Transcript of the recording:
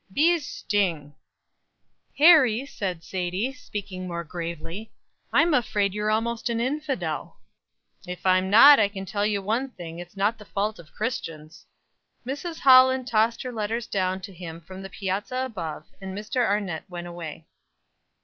"Bees sting." "Harry," said Sadie, speaking more gravely, "I'm afraid you're almost an infidel." "If I'm not, I can tell you one thing it's not the fault of Christians." Mrs. Holland tossed her letters down to him from the piazza above, and Mr. Arnett went away.